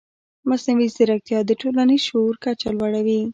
مصنوعي ځیرکتیا د ټولنیز شعور کچه لوړوي.